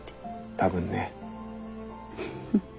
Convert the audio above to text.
多分ね。